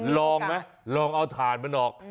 ลองไหมลองเอาถ่านมันออก